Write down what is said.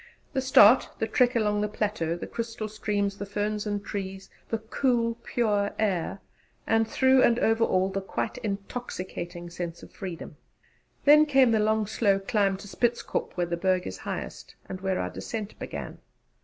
The start, the trek along the plateau, the crystal streams, the ferns and trees, the cool pure air; and, through and over all, the quite intoxicating sense of freedom! Then came the long slow climb to Spitzkop where the Berg is highest and where our descent began.